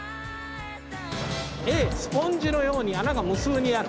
「Ａ」スポンジのように穴が無数にある。